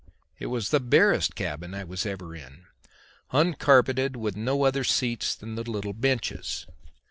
It was the barest cabin I was ever in uncarpeted, with no other seats than the little benches.